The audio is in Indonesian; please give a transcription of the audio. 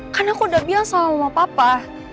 kan aku udah bilang sama mama papa